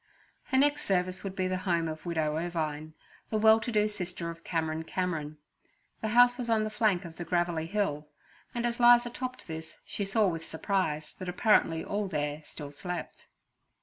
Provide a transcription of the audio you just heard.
Her next service would be the home of Widow Irvine, the well to do sister of Cameron Cameron. The house was on the flank of the 'gravelly hill' and as 'Liza topped this, she saw with surprise that apparently all there still slept.